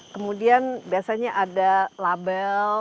kemudian biasanya ada label